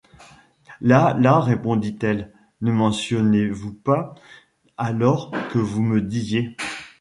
Là! là ! respondit-elle, ne mentiez-vous pas alors que vous me disiez...